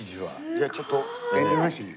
じゃあちょっと遠慮なしに。